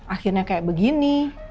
akhirnya kayak begini